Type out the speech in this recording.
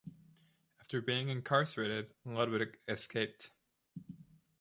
After being incarcerated, Ludwig escaped.